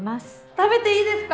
食べていいですか？